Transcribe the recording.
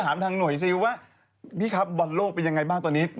ถามทางหน่วยซิว่าพี่ครับบอลโลกเป็นยังไงบ้างตอนนี้